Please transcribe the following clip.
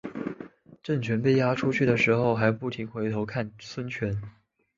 郑泉被押出去的时候还不停回头看孙权。